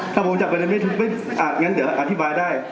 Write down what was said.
ถ้าผมจับประเด็นไม่อาจอย่างนั้นเดี๋ยวอธิบายได้